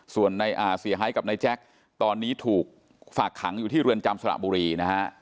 ส่วนในเสียหายกับนายแจ็คตอนนี้ถูกฝากขังอยู่ที่เรือนจำสระบุรีนะฮะ